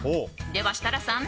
では設楽さん